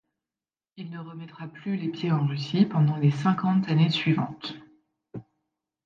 Il ne remettra plus les pieds en Russie pendant les cinquante années suivantes.